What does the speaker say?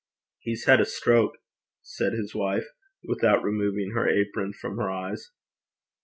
'He's had a stroke,' said his wife, without removing her apron from her eyes.